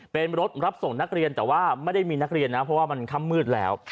เป็นรถรับส่งนักเรียนแต่ว่าไม่ได้มีนักเรียนนะเพราะว่ามันค่ำมืดแล้ว